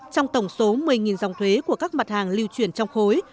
trong tổng số một mươi dòng thuế của các mặt hàng lưu chuyển trong khối